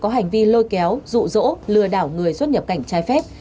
có hành vi lôi kéo rụ rỗ lừa đảo người xuất nhập cảnh trái phép